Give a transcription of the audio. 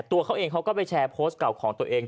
ตัวเขาเองเขาก็ไปแชร์โพสต์เก่าของตัวเอง